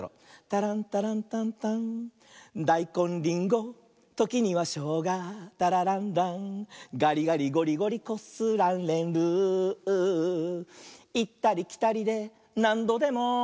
「タランタランタンタン」「だいこんりんごときにはしょうがタラランラン」「がりがりごりごりこすられる」「いったりきたりでなんどでも」